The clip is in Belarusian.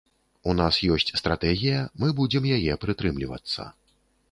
У нас ёсць стратэгія, мы будзем яе прытрымлівацца.